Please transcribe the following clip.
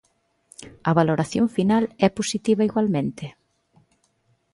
A valoración final é positiva, igualmente?